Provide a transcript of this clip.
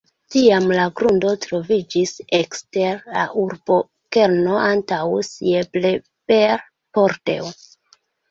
Tiam la grundo troviĝis ekster la urbokerno antaŭ Siebleber-pordeo.